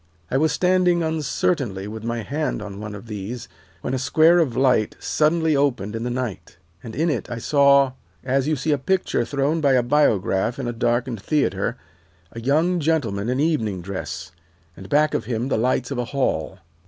I was standing uncertainly with my hand on one of these when a square of light suddenly opened in the night, and in it I saw, as you see a picture thrown by a biograph in a darkened theatre, a young gentleman in evening dress, and back of him the lights of a hall.